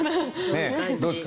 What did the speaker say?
どうですか？